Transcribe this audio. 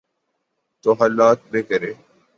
تو حالات میں کریں۔